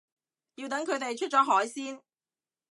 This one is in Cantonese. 要等佢哋出咗海先